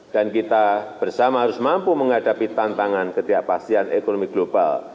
dan kita bersama harus mampu menghadapi tantangan ketiapasihan ekonomi global